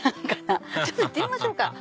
ハハハハちょっと行ってみましょうか。